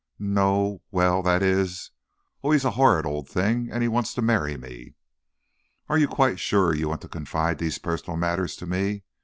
"N no, well, that is oh, he's a horrid old thing, and he wants to marry me!" "Are you quite sure you want to confide these personal matters to me?"